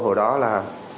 hồi đó là